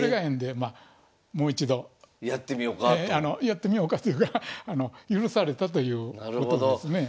やってみようかというか許されたということですね。